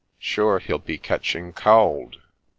— sure he'll be catching cowld